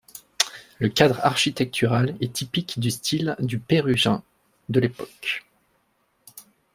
Le cadre architectural est typique du style du Pérugin de l'époque.